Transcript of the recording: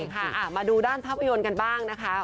มาดูด้านภาพยนตร์กันบ้างนะคะ